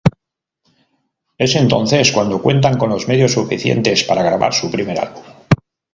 Es entonces cuando cuentan con los medios suficientes para grabar su primer álbum.